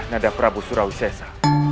nada prabu surawi sesa